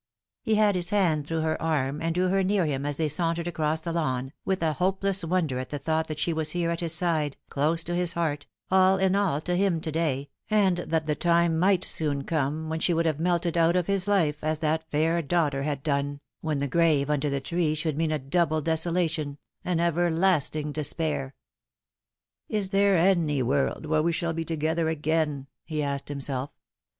He had his hand through her arm, and drew her near him as they sauntered across the lawn, with a hopeless wonder at the thought that she was here at his side, close to his heart, all in all to him to day, and that the time might soon come when she would have melted out of his life as that fair daughter had done, when the grave under the tree should mean a double desolation, an everlasting despair. " Is there any world where we shall be together again ?" he asked himself.